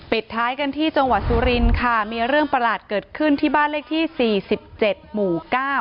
ท้ายกันที่จังหวัดสุรินค่ะมีเรื่องประหลาดเกิดขึ้นที่บ้านเลขที่๔๗หมู่๙